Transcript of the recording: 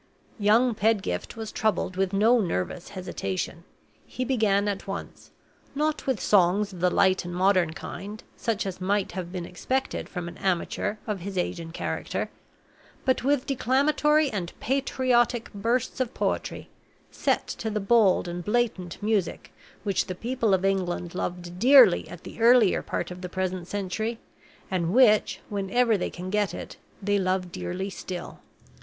Young Pedgift was troubled with no nervous hesitation. He began at once, not with songs of the light and modern kind, such as might have been expected from an amateur of his age and character, but with declamatory and patriotic bursts of poetry, set to the bold and blatant music which the people of England loved dearly at the earlier part of the present century, and which, whenever they can get it, they love dearly still.